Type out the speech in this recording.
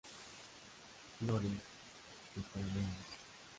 Flores tetrámeras.